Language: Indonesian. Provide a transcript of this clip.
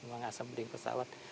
membangun asam beling pesawat